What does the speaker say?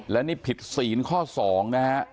แล้วนี่ผิดศีลข้อสองนะฮะ